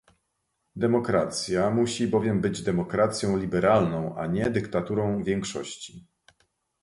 Demokracja musi bowiem być demokracją liberalną a nie dyktaturą większości